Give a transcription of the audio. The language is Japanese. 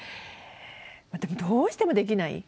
でもどうしてもできない。